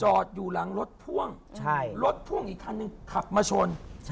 อยู่หลังรถพ่วงรถพ่วงอีกคันหนึ่งขับมาชน